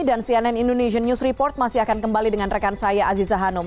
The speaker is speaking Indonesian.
dan cnn indonesian news report masih akan kembali dengan rekan saya aziza hanum